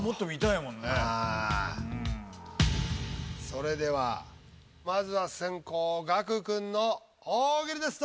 それではまずは先攻・ガク君の「大喜利」です。